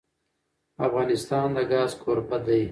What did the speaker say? افغانستان د ګاز کوربه دی.